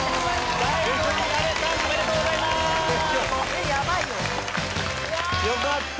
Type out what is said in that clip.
おめでとうございます！よかった！